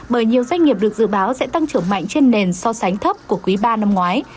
bởi nhiều doanh nghiệp được dự báo sẽ tăng trưởng mạnh trên nền so sánh thấp của quý ba năm ngoái